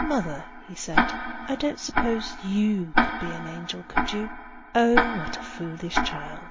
"Mother," he said; "I don't suppose you could be an angel, could you?" "Oh, what a foolish child!"